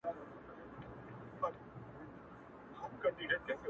ما سپارلی د هغه مرستي ته ځان دی،